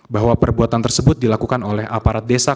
bahwa perbuatan tersebut dilakukan oleh aparat desa